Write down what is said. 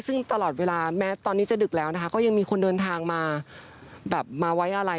ซึ่งตลอดเวลาแม้ตอนนี้จะดึกแล้วนะคะก็ยังมีคนเดินทางมาแบบมาไว้อะไร